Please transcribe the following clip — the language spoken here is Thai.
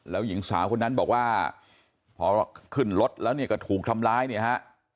แล้วหญิงสาวคนนั้นบอกว่าพอขึ้นรถแล้วเนี่ยก็ถูกทำร้ายเนี่ยฮะ